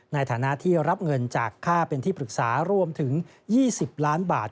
ในฐานะที่รับเงินจากค่าเป็นที่ปรึกษารวมถึง๒๐ล้านบาท